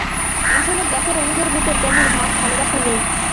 আসলে গ্যাসের অণুদের ভেতর তেমন ভাব-ভালোবাসা নেই।